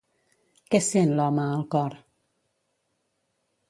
Què sent l'home al cor?